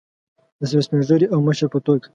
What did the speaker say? د یو سپین ږیري او مشر په توګه.